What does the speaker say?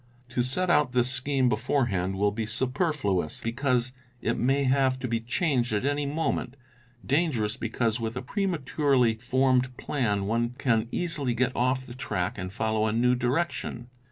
To set out this scheme beforehand will be superfluous and dangerous; superfluous because it may have to be changed at any moment, dangerous because with a prematurely formed plan one can easily get off the track and follow a wrong direction.